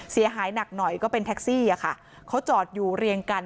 เสียหายหนักหน่อยก็เป็นแท็กซี่อะค่ะเขาจอดอยู่เรียงกัน